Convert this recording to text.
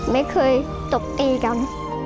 ไม่เคยตบตีกัน